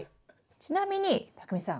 ちなみにたくみさん。